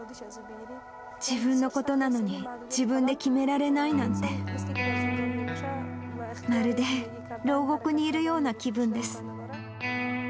自分のことなのに自分で決められないなんて、まるでろう獄にいるような気分です。